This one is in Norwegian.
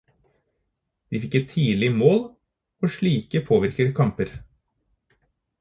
De fikk et tidlig mål, og slike påvirker kamper.